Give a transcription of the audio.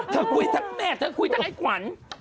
คุยทั้งแม่เธอคุยทั้งไอ้ขวัญ